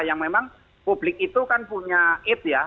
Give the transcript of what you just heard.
yang memang publik itu kan punya eat ya